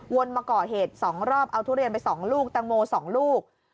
มาก่อเหตุ๒รอบเอาทุเรียนไป๒ลูกแตงโม๒ลูก